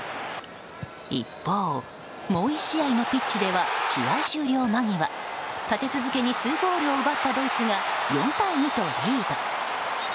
一方、もう１試合のピッチでは試合終了間際立て続けに２ゴールを奪ったドイツが４対２とリード。